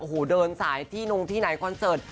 โอ้โหเดินสายที่นงที่ไหนคอนเสิร์ต